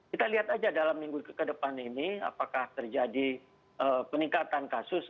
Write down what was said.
kita lihat aja dalam minggu ke depan ini apakah terjadi peningkatan kasus